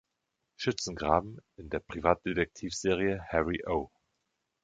Schützengraben in der Privatdetektivserie „Harry O“.